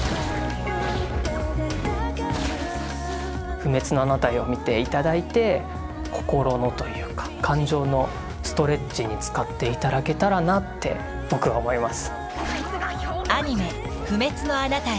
「不滅のあなたへ」を見て頂いて心のというか感情のストレッチに使って頂けたらなって僕は思います。